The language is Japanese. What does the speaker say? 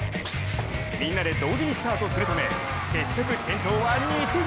みんなで同時にスタートするため接触・転倒は日常